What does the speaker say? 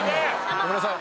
ごめんなさい。